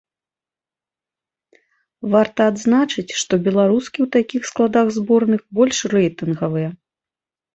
Варта адзначыць, што беларускі ў такіх складах зборных больш рэйтынгавыя.